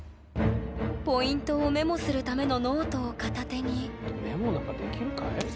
ポイントをメモするためのノートを片手にメモなんかできるかい？